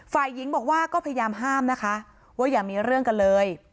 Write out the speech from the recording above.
ฝ่ายหญิงบอกว่าก็พยายามห้ามนะคะว่าอย่ามีเรื่องกันเลย